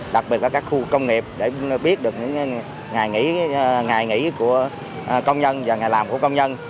đặc biệt là các khu công nghiệp để biết được những ngày nghỉ ngày nghỉ của công nhân và ngày làm của công nhân